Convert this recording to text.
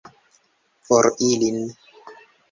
For ilin!